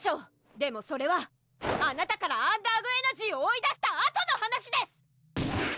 でもそれはあなたからアンダーグ・エナジーを追い出したあとの話です！